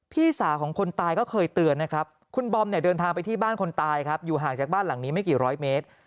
พี่สาวของคนตายก็เคยเตือนนะครับคุณบอมเนี่ยเดินทางไปที่บ้านคนตายครับอยู่ห่างจากบ้านหลังนี้ไม่กี่ร้อยเมตร